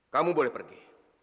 kamu boleh pergi